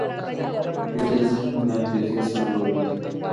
ویده ذهن له حافظې سره لوبې کوي